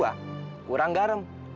mangkok kedua kurang garam